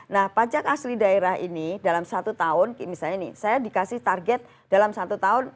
nah pajak asli daerah ini dalam satu tahun misalnya nih saya dikasih target dalam satu tahun